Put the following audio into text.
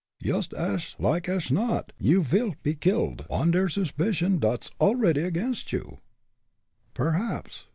Yoost ash like ash not you will pe killed, on der suspicion dot's already against you." "Perhaps.